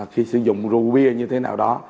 khi sử dụng rượu bia như thế nào đó